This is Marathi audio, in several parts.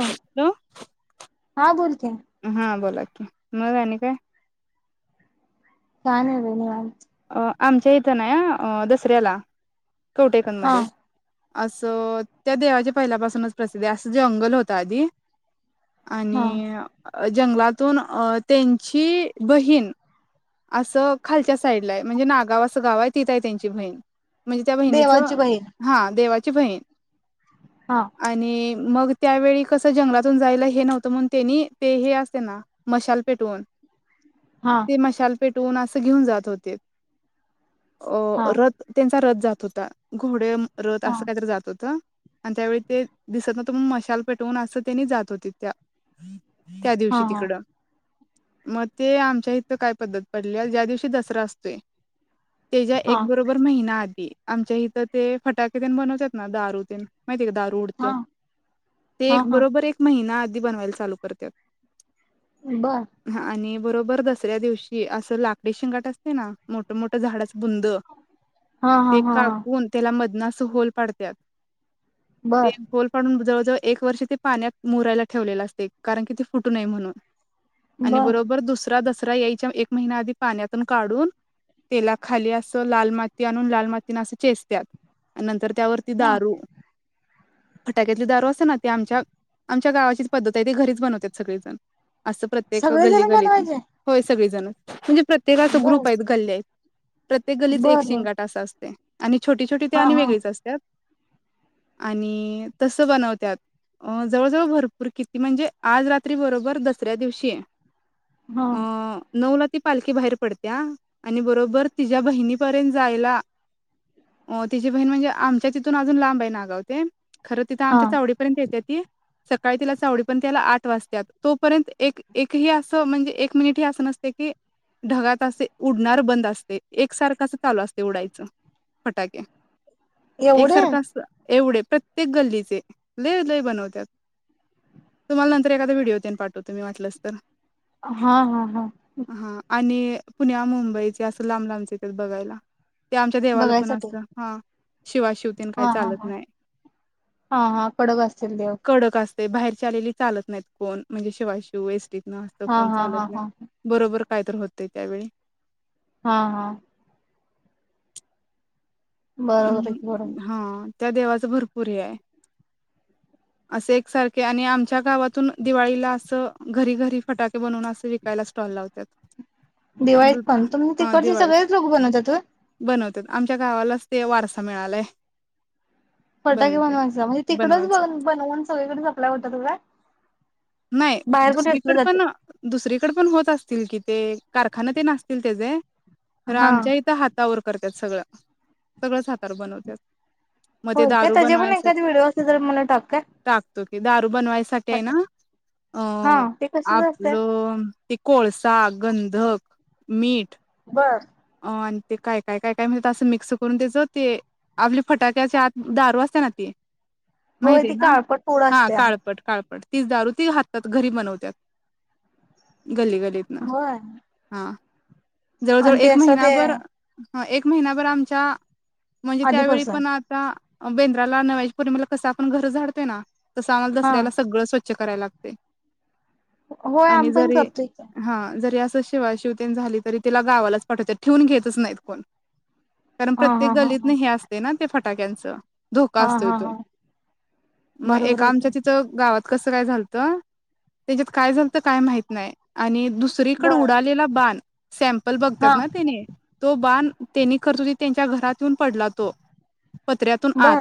हो. हा बोलते. हा बोला की म आणि काय का नाही, बेनवा अ आमच्या इथन दसऱ्याला हा कवटेकनमध्ये असं त्या देवाच्या पहिल्यापासूनच प्रसिद्धी आहे असं जे अंगल होता आधी हा आणि जंगलातून अ त्यांची बहीण असं खालच्या साईडला आहे, म्हणजे नागाव असं गाव आहे तिथं आहे त्यांची बहीण, म्हणजे त्या बहिणीच देवाची बहीण हा देवा च वन हा आणि मग त्यावेळी कसं जंगलातून जायला हे नव्हतं म्हण तेनी ते हे असते ना मशाल पेटवून हा ते मशाल ोन अस घेऊन जात होते. अ हा रथ त्यां सरत जात होता. घोडे्या रथ हा असं काहीतरी जात होत. आणि त्यावेळी ते दिसत ना त म मशाल पेटवून असं त्यांनी जात होते त्या त्या हा दिवशी हा तिकडं मग ते आमच्या इथ काय पद्धत पडली ज्या दिवशी दसरा असतोय. त्याच्या हा एक बरोबर महिनात आमच्या इथं ते फटाके ते बनवतात ना दारू ते माहि दारू उडत हा ते हा एक हा बरोबर एक महिना बनवायला लू करत बर हा आणि बरोबर दसऱ्या दिवशी असं लाकडी शेंगाट असतय ना मोठमोठ झाडच बुंद हा हा ते हा हा कापून त्याला मदन अस होल पाडत्यात. ते बर होलपाडून जव एक वर्ष ते पाण्यात मुरायला ठेवलेलं असतय कारण की ते फुटू नये म्हणून. आणि बर बरोबर दुसरा दसरा दसरा यायच्या एक महिना आधी पाण्यातून काढून त्याला खाली अस लाल माती आणून लाल मातीन अस चेचत्यात नंतर त्यावरती हा दारू फटाक्यातली दारू असते ना. ते आमच्या आमच्या गावाचीच पद्धत आहे. ते घरीच बनवतात सगळेजण. असं प्रत्येक गल्ली सगळेजण गलीतन बनवायचे होय सगळेजण. म्हणजे. प्रत्येकाच बर ग्रुप आहेत गल्ले. प्रत्येक गलीच एक बर बर शेंगाट अस असत. आणि छोटी छोटी ते हा आणि हा वेगळीच असत्यात. आणि तस बनवत्यात अ जवळजवळ भरपूर किती म्हणजे आज रात्री बरोबर दसऱ्या दिवशी हा अ नऊ ला ती पालखी बाहेर पडतीया आणि बरोबर तिच्या्या बहिणीपर्यंत जायला अ तिची बहीण म्हणजे आमच्या तिथून अजून लांब आहे नागाव तेन आगावते खरं तिथ हा आमच्या चावडीपर्यंत येत्यात सकाळी तिला चावडी पर्यंत यायला आठ वाजत्यात तोपर्यंत एक एक हि असं म्हणजे एक मिनिट ही असं नसतय की ढगात असे उडणार बंद असते एकसारखाच चालू असते उडायचं फटाके. एवढे एकसारख अस एवढे प्रत्येक गल्लीचे लय लय बनवत्यात. तुम्हाला नंतर एखादा व्हिडिओ तेन पाठवतो मी वाटल्यास तर हा हा हा. हा आणि पुण्या मुंबईचे असं लांब-लांबचेे येतात बघायला. ते आमच्या देवाला पण बघायसाठी असं हा शिवा-शिवतेन हा काही हा चालत हा नाही. हा हा कडक असतील देव [inaudible] कडक अस ते बाहेरच्या आलेली चालत नाहीत कोण म्हणजे शिवाशिव एसटी हा हा हा हा ह. बरोबर काय तर होतय त्यावेळी. हा हा. बरोबर हाय अं की बरोबर. हां त्या देवाच भरपूर हे आहे [inaudible] असे एकसारखे आणि आमच्या गावातून दिवाळीला असं घरी घरी फटाके बनवून अस विकायला स्टॉल लावत्यात. दिवाळीत पण तुमी हां तिकडचे दिवाळीत सगळेच लोक बनवतात होय? बनवत्यात आमच्या गावाला असत ते वारसा मिळालाय. फटाके बनवत्यात. बनवायचा म्हणजे तिकडच बनवायचं ब-बनवून सगळीकडे सपलाय होतात काय? नाही बाहेर कुठे विकले दुसरीकड जाते? पण, दुसरीकड पण होत असतील की ते कारखाना तेन असतील त्याजे पण हा आमच्या इथं हातावर करत्यात सगळं. सगळंच हातावर बनवत्यात. मग ते होय काय दारू त्याचे पण एखाद बनवायसाठी व्हिडिओ असले तर मला टाक काय? टाकतो की दारू बनवायसाठी आहे ना? अ हा अ ते कशाच असतय? आपलं ते कोळसा हा गंधक, मीठ बर अ आणि ते काय, काय, काय, काय म्हणजे ते मिक्स करून त्याच ते आपले फटाक्याचे आत दारू असते ना ती होय माहितीये ती ना? काळपट पूड हा असत्या. काळपट, काळपट तीच दारू ती हातात घरी बनवत्यात. गल्ली-गल्लीतन होय हा जवळ-जवळ आणि ते एक असं महिना ते भर ह एक महिना भर आमच्या म्हणजे त्यावेळी आधीपासून पण आता बेंद्राला नव्याच्या पौर्णमेला कसं आपण घर झाडतोयना तस आम्हाला हा दसऱ्याला सगळं स्वच्छ स्वछ करायला लागतय. होय, आम्ही पण करतोय कि शिवा शिवतेन झाली. तरी तिला गावालाच पाठवतोय ठेवून घेतच नाहीत कोण. कारण, हा प्रत्येक हा हा गल्लीतन हा हे असते ना ते फट टग्यांच, धोका हा असतोय. हा तो हा मग बरोबर एका आहे आमच्या की. तिथं गावात कस काय झालत, त्याच्यात काय झाल काय माहीत नाही. आणि दुसरीकड बर उडालेला बान सॅम्लप बघ हा [unintelligible] तो बाण त्यांनी, करर्तुतीन त्यांच्या घरातून पडला तो. पत्र्यातून आत. बर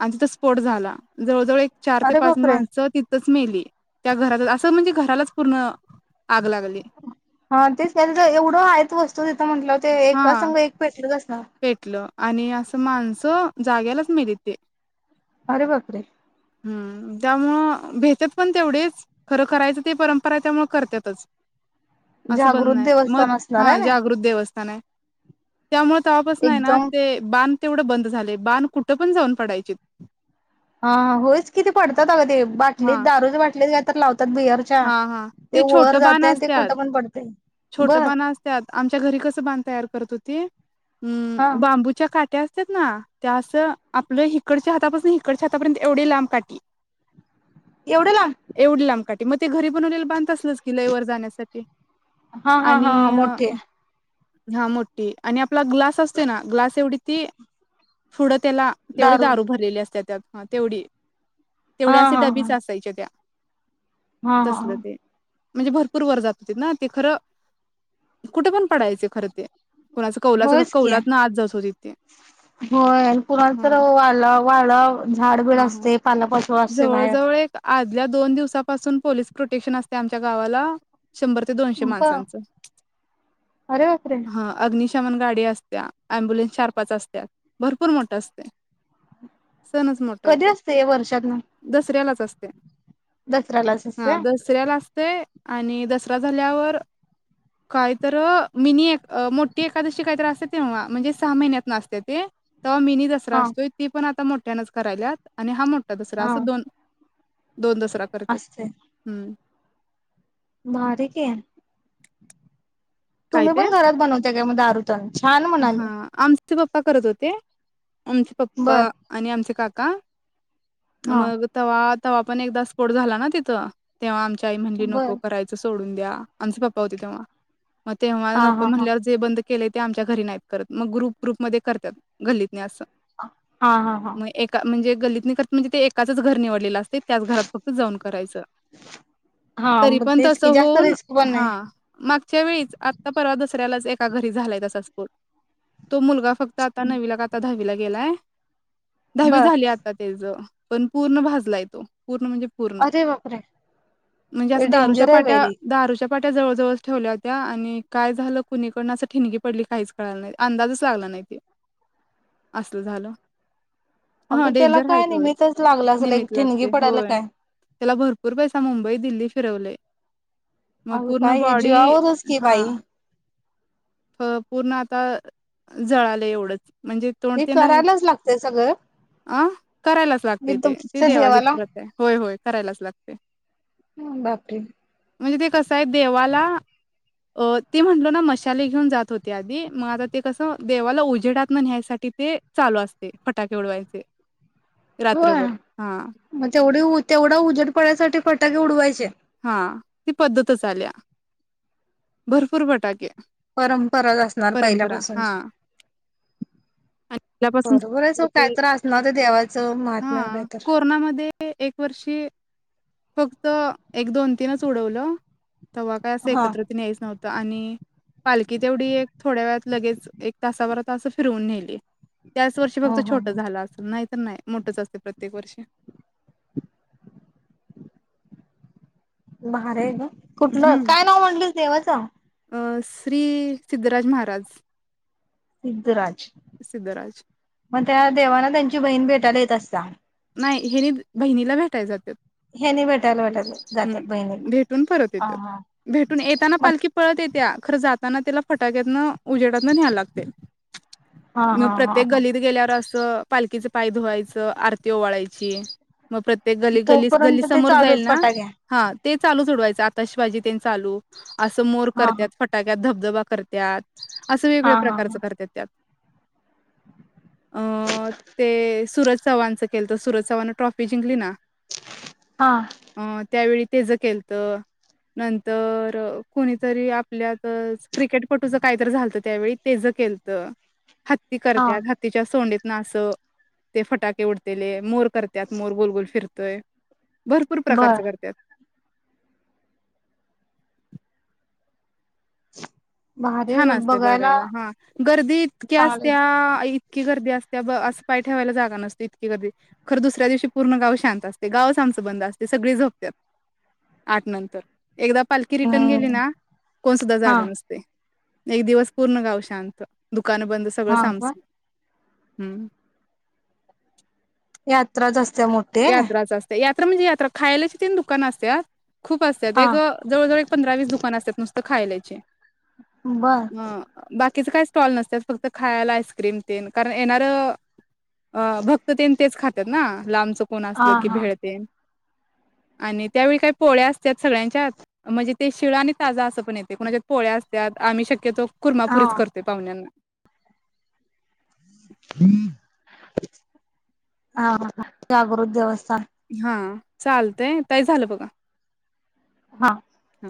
आणि तिथं, स्फोट झाला जवळ जवळ एक चार ते अरे पाच बापरे! माणसं तिथचं, मिली, त्या घराल अस म्हणजे घरालाच पूर्ण. आग लागली हा तेच त्यांनच एवढं आहे. आहेत वस्तू तिथं, म्हटल ते एका हा संग एक पेटलच असेल पेटलं. आणि असं माणसं जाग्यालाच मिली ती. अरे बापरे, हम्म.. त्यामुळं भेेत्यात पण तेवढेच खरं, करायचं ते परंपरा त्यामुळे करत्यातच. असं बंद जागृत नाही, मग देवस्थान असणार हा आहे ना जागृत देवस्थान आहे. त्यामुळे तवा पसन हेना एकदम ते बाण, तेवढं बंद झाले, बाण कुठं पण जाऊन पडायचे. हा होयच किती पडतात अगं, ते हा बाटलीत दारू चा बाटलीच घात तर लाव त्यात बियरच्या, हा हा ते वर जाते आणि ते कुठं पण पडतय. छोट बाण असत्याात, आमच्या घरी कसं बाण तयार करत होती. [unintelligible] हा हम्म बांबूच्या काट्यास ना त्या, असं आपलं हिकडच्या हातापासून हिकडच्या हातापर्यंत एवढी लांब काठी. एवढे लांब एवढी लांब काटी. मग ते घरी बनवलेले बांध तसलेच की लई वर जाण्यासाठी, हा हा आणि हा हा मोठीे आहे. हा मोठी आणि आपला ग्लास असतो ना, ग्लास एवढी ती फुडत त्याला तेवढी दारू भरलेली असते त्यात हा तेवढी हा तेवढ्या असे हा हा डबीच असायच्या त्या हा हा हा तसलं ते म्हणजे भरपूर वर जात होती ना ते खरं कुठे पण पडायचे खर ते कोणाचं कौलाचं होयच की, कौलात ना आज जात होती ते होय कुणाला तर आला वळव [unintelligible] ह ह जवळ बाहेर जवळ एक आदल्या दोन दिवसापासून पोलीस प्रोटेक्शन असते. आमच्या गावाला शंभर ते दोनशे ब माणसांच अरे बापरे! म्हणून गाडी असतीया ॲम्बुलन्स चार पाच असत्यात भरपूर मोठे असतंय, सणच मोठा कधी असतंय हे वर्षातनं असतीया दसरा्यालाच असतिया ते आणि दसरा झाल्यावर काय तर, मिनी एक मोठी एकादशी काहीतर असते तेव्हा म्हणजे सहा महिन्यात असतीया ते तर मीनी दसरा हा असतोय, ती पण आता मोठ मोठयानंच करायलात आणि हा मोठा दसरा हा असं दोन, दोन दसरा करत्यात, असते हम्म भारी कि काय तुम्ही ते पण घरात बनवत्याय मग दारूतेणं हा आमच चे पप्पा करत होते. आमचे पप्पा बर आणि आमचे काका काय हा मग तवा तव्हा पण एकदा स्फोट झाला ना तिथं तेव्हा आमची त ताई म्हणाली बर नको, करायचं सोडून द्या आमचे पाप्पा होते तेव्हा मग तेव्हा हा नको हा हा म्हणल्यावर जे बदं के केलंय ते आमच्यात तर घरी नाहीत करतं मगं ग्रुप ग्रुप मध्ये करतात गल्लीत हे असं हा हा हा म एका म्हणजे गल्लीतनं करतात म्हणजे ते एकाच घर निवडलेलं असतंय ते त्याचं घरात फक्त जाऊन करायच हा तरी मग पण तेच तसं की जास्त होऊन रिस्क पण हा नाही मागच्या वेळीच आता परवा दसऱ्यालाच त्या घरी झालंय तसं-‍- बोल तो मुलगा फक्त आता नवीला का आता दहावीला गेलाय दहावी बर झाली आता तेच पण पूर्ण भाजलाय तो पूर्ण म्हणजे पूर्ण अरे बापरे म्हणजे हे असं दारूच्या डेंजर आहे बाई पाट्या लई दारूच्या ट्या जवळ जवळ ठेवल्या होत्या आणि काय झालं कुणीकडून असं ठिणगी पडली काहीच कळालं नाही अंदाजच लागला नाही ते असल झालं हा अगं त्याला डेंजर आहे काय तेथवढंच निमित्तच लागलं असेल एक निमीत्त त ठिणगी लागतय पडायला होय काय त्याला भरपूर पैसा मुंबई दिल्ली फिरवले अ मग पूर्ण काय बॉडी जीवावरच की बाई तर पूर्ण आता जळालं एवढंच म्हणजे तोंड हे तेन राहील करायलाच लागतय सगळं अ करायलाच लागतय ते त एकदमच्या देवाजच देवाला करत आहे होय होय. करायलाच लागतय. हम बापरे! म्हणजे ते कसं आहे देवाला अ ती म्हटलो ना मशाली घेऊन जात होते. त्या आधी मग आता ते कसं देवाला उजेडात तण न्हायसाठी ते चालू असते फटाके उडवायचे. होय रात्रभर हा मग तेवढे तेवढा उजेड पडायसाठी फटाके उडवायचे. हा ती पद्धतच आलिया भरपूर फटाके परंपरा असणार परंपरा हा पहिल्यापासूनची आणि त्यापासून बरोबर आहे सोड ते कायतर असणार देवाचं महात्म्या तन काय हां, तर कोरोनामध्ये एक वर्षी फक्त एक दोन तीनच उडवलं. तेव्हा काय असं हा एकत्र तण यायचं नव्हंत. आणि पालखी तेवढी एक थोड्या वेळात लगेच एक तासाभरात फिरवून नेली. त्याच वर्षी हा फक्त हा छोटं हा झालं असेल नाही तर नाही मोठच असते प्रत्येक वर्षी भारी आहे न्हव. कुठलं हं, काय नाव म्हटलस देवाचं अ, श्री सिद्धराज महाराज सिद्धराज सिद्धराज. मग त्या देवाना त्यांची बहीण भेटायला ये तसा नाही हेने बहिणीला भेटाय जात्यात ह्यानी भेटायला भेटायला हम् जातात बहिणीला. भेटून परत हा येतो हा भेटून येताना मग पालखी पळत येतिया खर जात त्यानं त्याला फटाक्यातन उजेडातन न्यायला लागतय. हा म हा हा प्रत्येक हा गलीत गेल्यावर असं पालखीं पाय धुवायचं आर वोवाळायची मग प्रत्येक गली गली गल्ली तोपर्यंत ते समोर जाईल चालूच ना फटाक्या. हा ते चालू सोडवायचं आताशवाजी तेन चालू असं मोर हा हा करतात फटाक्यात धब जबा करत्यात असं हा वेगवेगळ्या हा प्रकारचं हा करत्यात त्यात अ ते सुरज चव्हाणच केलत सुरज चव्हान न ट्रॉफी जिंकली ना. हा अ त्यावेळी तेज केलत नंतर कोणीतरी आपल्यात क्रिकेटपटूच काहीतरी झालतं त्यावेळी तेज केलत हत्ती हा करत्यात हत्तीच्या सोडींत ना अस ते फटाके उडत ते ले मूर करत्यात मोर गोलगोल फिर ते [unintelligible] भरपूर बर प्रकारच करत्यात. [inaudible] भारी आहे छान ग असतय बघायला हा गर्दी इतकी असत्या चांगलंच. ईत इतकी गर्दी असत्या ब असं पाय ठेवायला जागा नसते. इतकी गर्दी खरं दुसऱ्या दिवशी पूर्ण गाव शांत असतय. गावच आमचं बंद असतय सगळी झोपत्या आठ नंतर. एकदा पालखी रिटर्न गेली हम्म ना कोण सुद्धा हा जाग नसतय. एक दिवस पूर्ण गाव शांत दु दुकान बंद सगळं हा का सामसूम हम्म. यात्रा जास्त यात्राच असते या यात्रा म्हणजे यात्र खायल्याची तेन दुकानं असत्यात. खूप असतात एक हा. जवळव एक पंधरा वीस दुकान असतात नुसतं खायला. छे. बर म बाकी. तिच काय स्टॉल नसत फक्त खायला आईस्क्रीम तेन कारण येणारं भक्त ते तेच खात. लांबच कोण हा असलं की हा. भेळतेन आणि त्यावेळी काही पोळ्या असत्यात सगळ्यांच्यात म्हणजे ते शिळ आणि ताज असं पण येतय कुणाच्यात पोळ्या असत्यात आम्ही शक्यतो हा कुर्मापुरीेच करतोय पाहुण्यांना. हा जागृत देवस्थान हा चालतय ताई झालं बघा. हा. हा